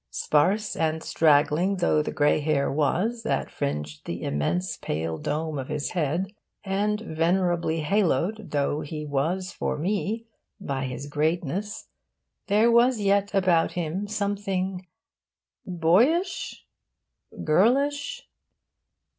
Sparse and straggling though the grey hair was that fringed the immense pale dome of his head, and venerably haloed though he was for me by his greatness, there was yet about him something boyish? girlish?